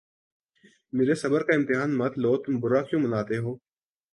میرے صبر کا امتحان مت لو تم برا کیوں مناتے ہو